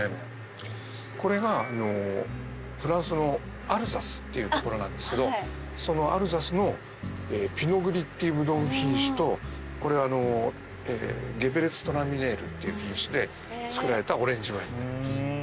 これがフランスのアルザスっていう所なんですけどそのアルザスのピノグリっていうブドウの品種とこれゲヴュルツトラミネールっていう品種で造られたオレンジワインになります。